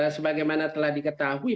sebagaimana telah diketahui